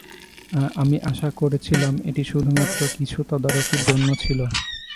আমি আশা করেছিলাম এটি শুধুমাত্র কিছু তদারকির জন্য ছিলো।